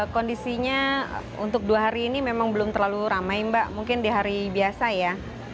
kondisinya untuk dua hari ini memang belum terlalu ramai mbak mungkin di hari biasa ya